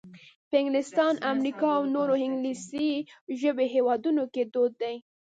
په انګلستان، امریکا او نورو انګلیسي ژبو هېوادونو کې دود دی.